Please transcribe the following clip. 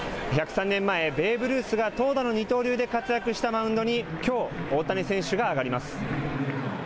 １０３年前、ベーブ・ルースが投打の二刀流で活躍したマウンドに、きょう、大谷選手が上がります。